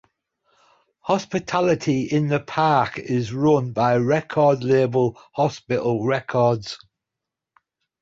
Hospitality in the Park is run by record label Hospital Records.